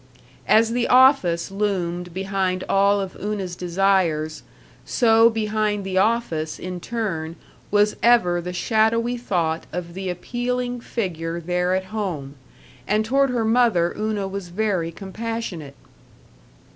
As the office loomed behind all of Una's desires, so behind the office, in turn, was ever the shadowy thought of the appealing figure there at home; and toward her mother Una was very compassionate.